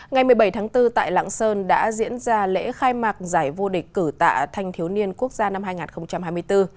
ngày một mươi bảy tháng bốn tại lạng sơn đã diễn ra lễ khai mạc giải vô địch cử tạ thanh thiếu niên quốc gia năm hai nghìn hai mươi bốn